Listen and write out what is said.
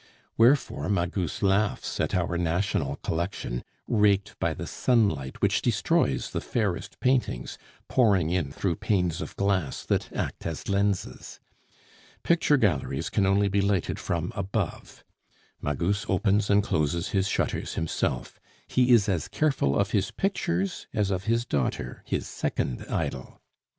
Wherefore Magus laughs at our national collection, raked by the sunlight which destroys the fairest paintings, pouring in through panes of glass that act as lenses. Picture galleries can only be lighted from above; Magus opens and closes his shutters himself; he is as careful of his pictures as of his daughter, his second idol.